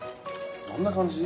どんな感じ？